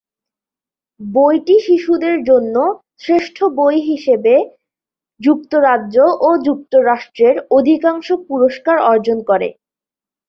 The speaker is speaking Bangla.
বইটি শিশুদের জন্য শ্রেষ্ঠ বই হিসেবে যুক্তরাজ্য ও যুক্তরাষ্ট্রের অধিকাংশ পুরস্কার অর্জন করে।